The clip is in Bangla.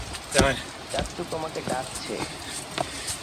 চাচ্চু তোমাকে ডাকছে।